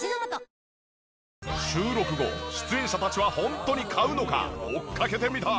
収録後出演者たちはホントに買うのか追っかけてみた。